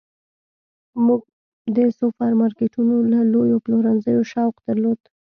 موږ د سوپرمارکیټونو او لویو پلورنځیو شوق درلود